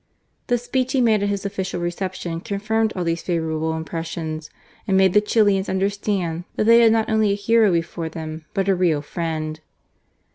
The speech he made at his official reception confirmed all these favourable impressions and made the Chilians understand that they had not only a hero before them, but a real firiend.